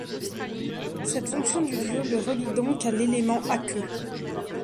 Cette fonction du dieu le relie donc à l'élément aqueux.